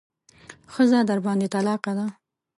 ښځه درباندې طلاقه ده.